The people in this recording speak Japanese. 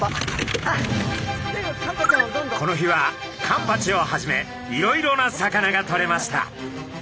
この日はカンパチをはじめいろいろな魚がとれました。